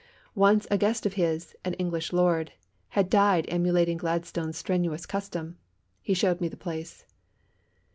Once a guest of his, an English lord, had died emulating Gladstone's strenuous custom. He showed me the place.